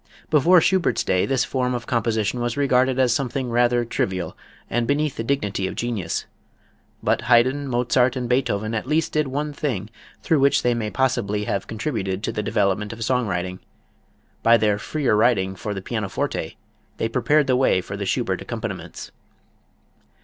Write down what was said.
Before Schubert's day this form of composition was regarded as something rather trivial and beneath the dignity of genius. But Haydn, Mozart and Beethoven at least did one thing through which they may possibly have contributed to the development of song writing. By their freer writing for the pianoforte they prepared the way for the Schubert accompaniments.